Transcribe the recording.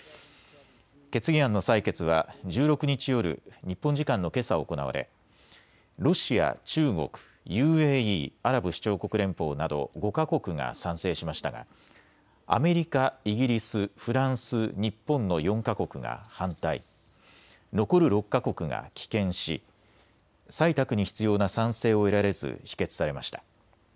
決議案の採決は１６日夜、日本時間のけさ行われロシア、中国、ＵＡＥ・アラブ首長国連邦など５か国が賛成しましたがアメリカ、イギリス、フランス、日本の４か国が反対、残る６か国が棄権し採択に必要な賛成を得られず否決されました。